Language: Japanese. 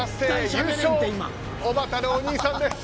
優勝は、おばたのお兄さんです。